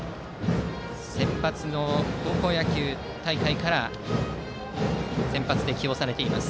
センバツの高校野球大会から先発で起用されています。